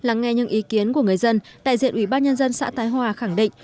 lắng nghe những ý kiến của người dân đại diện ủy ban nhân dân xã thái hòa khẳng định